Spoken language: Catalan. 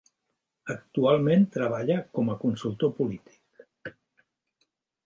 Actualment treballa com a consultor polític.